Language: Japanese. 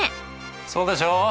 そうでしょう？